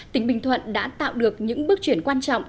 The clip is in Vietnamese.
tỉnh bình thuận đã tạo được những bước chuyển quan trọng